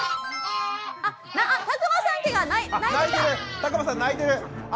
田熊さん泣いてる。